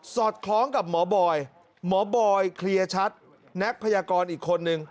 อดคล้องกับหมอบอยหมอบอยเคลียร์ชัดนักพยากรอีกคนนึง